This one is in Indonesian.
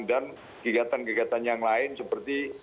dan kegiatan kegiatan yang lain seperti